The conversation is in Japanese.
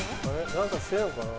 何かしてんのかな？